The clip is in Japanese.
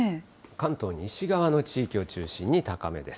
関東西側の地域を中心に高めです。